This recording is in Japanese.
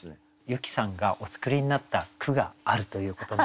由紀さんがお作りになった句があるということなんですけども。